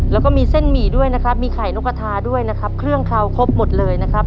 แล้วก็มีเส้นหมี่ด้วยนะครับมีไข่นกกระทาด้วยนะครับเครื่องเคราวครบหมดเลยนะครับ